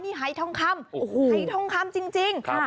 นี่ไฮทองคำโอ้โหไฮทองคำจริงจริงครับ